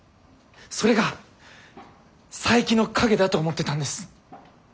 それが佐伯の影だと思ってたんです。